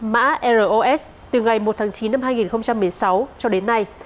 mã ros từ ngày một tháng chín năm hai nghìn một mươi sáu cho đến nay